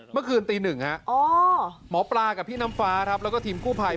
เมื่อคืนตีหนึ่งฮะหมอปลากับพี่น้ำฟ้าครับแล้วก็ทีมกู้ภัย